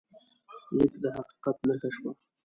لیک د حقیقت نښه شوه.